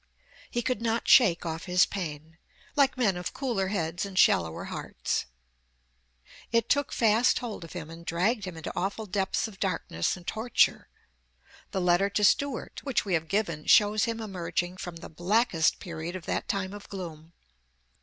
He could not shake off his pain, like men of cooler heads and shallower hearts. It took fast hold of him and dragged him into awful depths of darkness and torture. The letter to Stuart, which we have given, shows him emerging from the blackest period of that time of gloom.